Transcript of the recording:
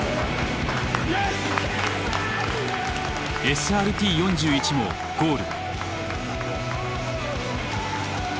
ＳＲＴ４１もゴール。